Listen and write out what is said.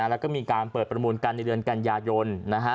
แล้วก็มีการเปิดประมูลกันในเดือนกันยายน